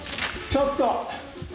ちょっと。